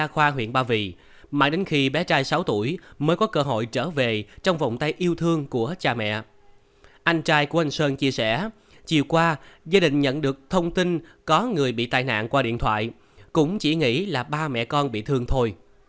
không tin có người bị tai nạn qua điện thoại cũng chỉ nghĩ là ba mẹ con bị thương thôi